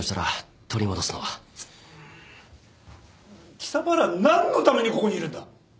貴様ら何のためにここにいるんだ！？